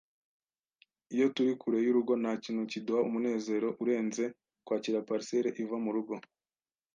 Iyo turi kure y'urugo, ntakintu kiduha umunezero urenze kwakira parcelle iva murugo.